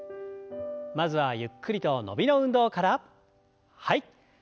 まずはゆっくりと伸びの運動から。